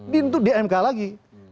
dientuk di mk lagi